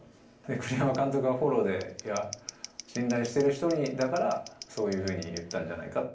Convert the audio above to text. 栗山監督がフォローでいや、信頼している人にだから、そういうふうに言ったんじゃないかって。